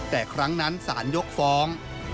แต่ครั้งนั้นสารยกฟ้อง